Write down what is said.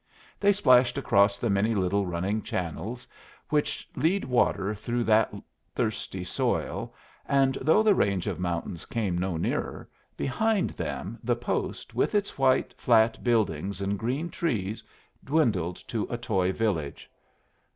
They splashed across the many little running channels which lead water through that thirsty soil, and though the range of mountains came no nearer, behind them the post, with its white, flat buildings and green trees, dwindled to a toy village.